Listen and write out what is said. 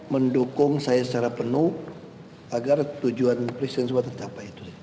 mendukung saya secara penuh agar tujuan presiden semua tercapai